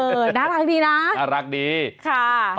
น่ารักดีนะน่ารักดีค่ะ